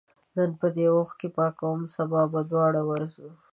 نن به دي اوښکي پاکوم سبا به دواړه ورځو